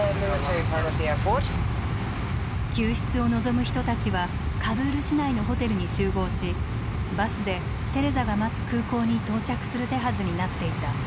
救出を望む人たちはカブール市内のホテルに集合しバスでテレザが待つ空港に到着する手はずになっていた。